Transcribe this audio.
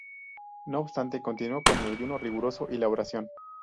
No obstante, continuó con el ayuno riguroso y la oración.